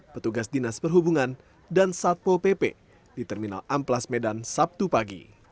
petugas dinas perhubungan dan satpol pp di terminal amplas medan sabtu pagi